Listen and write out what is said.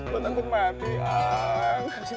buat aku mati